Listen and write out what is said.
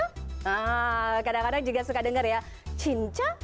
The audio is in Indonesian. nah kadang kadang juga suka dengar ya cinca